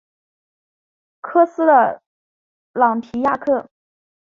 科斯的朗提亚克。